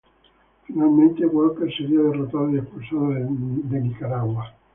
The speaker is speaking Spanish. Finalmente Walker sería derrotado y expulsado de Nicaragua.